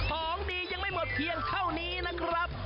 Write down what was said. ของดียังไม่หมดเพียงเท่านี้นะครับ